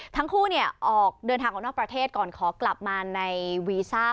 ทั้งคู่ออกเดินทางออกนอกประเทศก่อนขอกลับมาในวีซ่า